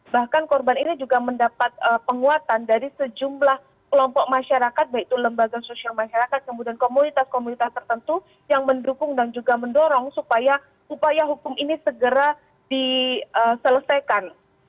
bahkan korban ini juga mendapat penguatan dari sejumlah kelompok masyarakat baik itu lembaga sosial masyarakat kemudian komunitas komunitas tertentu yang mendukung dan juga mendorong supaya upaya hukum ini segera diselesaikan